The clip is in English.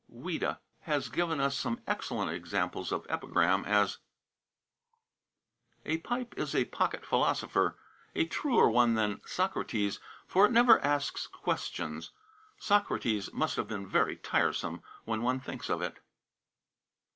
"Ouida" has given us some excellent examples of epigram, as: "A pipe is a pocket philosopher, a truer one than Socrates, for it never asks questions. Socrates must have been very tiresome, when one thinks of it."